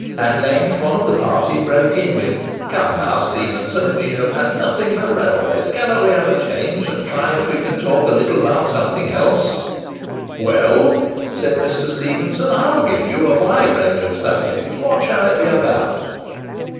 At length one of the party broke in with "Come now, Stephenson, we have had nothing but railways; cannot we have a change and try if we can talk a little about something else?" "Well," said Mr. Stephenson, "I'll give you a wide range of subjects; what shall it be about?"